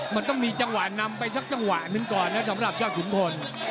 มันต้องมีจังหวะนำไปสักจังหวะหนึ่งก่อนนะสำหรับยอดขุนพล